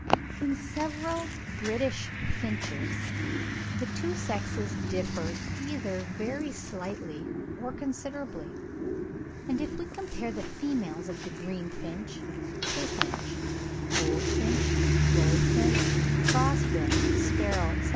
In the several British finches, the two sexes differ either very slightly or considerably; and if we compare the females of the greenfinch, chaffinch, goldfinch, bullfinch, crossbill, sparrow, etc.